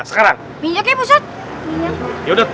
sekarang minyaknya musyad iya udah